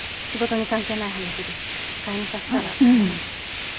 仕事に関係ない話で不快にさせたら。